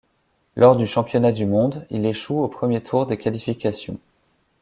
Lors du championnat du monde, il échoue au premier tour des qualifications.